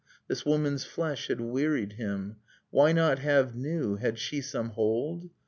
This woman's flesh had wearied him. Why not have new? Had she some hold?